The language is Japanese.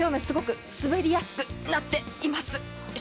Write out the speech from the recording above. すごく滑りやすくなっています。